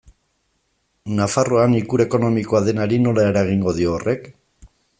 Nafarroan ikur ekonomikoa denari nola eragingo dio horrek?